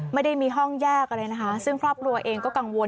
ไม่ได้มีห้องแยกอะไรนะคะซึ่งครอบครัวเองก็กังวล